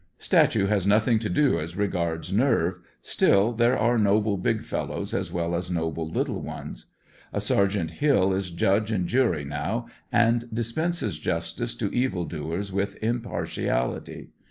Statue has nothiDg to do as regards nerve, still there are noble big fellows as well as noble little ones. A Sergt. Hill is judge and jury now, and dispenses justice to evil doers with impartiality.